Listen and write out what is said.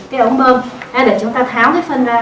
cái ống bơm hay để chúng ta tháo cái phân ra